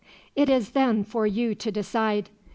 "It is, then, for you to decide.